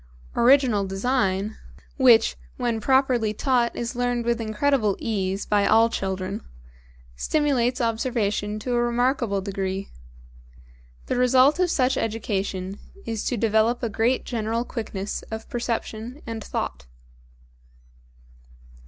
Original design, which when properly taught is learned with incredible ease by all children, stimulates observation to a remarkable degree. The result of such education is to develop a great general quickness of perception and thought.